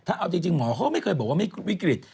ถ้าเอาจริงหมอเขาก็ไม่เคยบอกว่าวิกฤต